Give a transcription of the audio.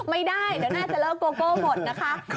ไม่ได้เดี๋ยวน่าจะเลิกโกโก้หมดนะคะ